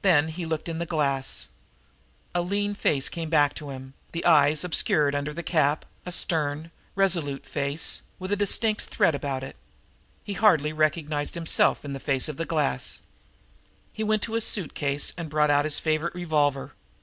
Then he looked in the glass. A lean face looked back at him, the eyes obscured under the cap, a stern, resolute face, with a distinct threat about it. He hardly recognized himself in the face in the glass. He went to his suit case and brought out his favorite revolver.